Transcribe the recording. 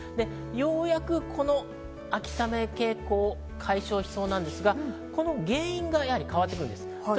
ようやくこの秋雨傾向、解消しそうですが、その原因が変わってくるんです。